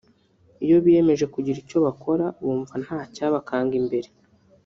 iyo biyemeje kugira icyo bakora bumva ntacyabakanga imbere